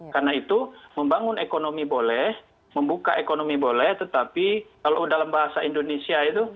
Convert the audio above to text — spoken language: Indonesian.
karena itu membangun ekonomi boleh membuka ekonomi boleh tetapi kalau dalam bahasa indonesia itu